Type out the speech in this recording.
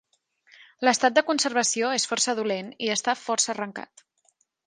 L'estat de conservació és força dolent i està força arrencat.